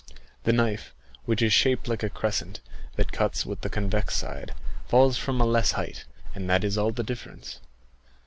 7 The knife, which is shaped like a crescent, that cuts with the convex side, falls from a less height, and that is all the difference.